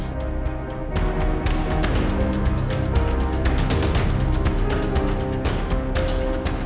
pak retek kenapa sakit